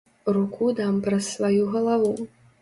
Руку дам праз сваю галаву.